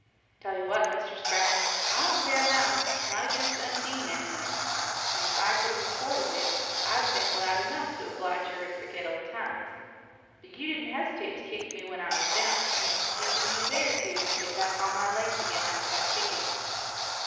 "Tell you what, Mr. Spragg, I don't bear malice not against Undine, anyway and if I could have afforded it I'd have been glad enough to oblige her and forget old times. But you didn't hesitate to kick me when I was down and it's taken me a day or two to get on my legs again after that kicking.